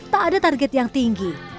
tak ada target yang tinggi